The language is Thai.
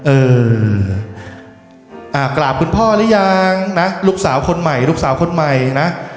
เอออ่ากราบคุณพ่อหรือยังนะลูกสาวคนใหม่ลูกสาวคนใหม่นะ